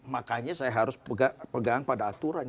makanya saya harus pegang pada aturan